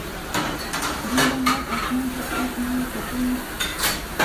دومره لوړ اسمان ته څوک نه وه ختلي